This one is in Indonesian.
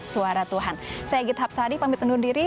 suara tuhan saya gita hapsari pamit undur diri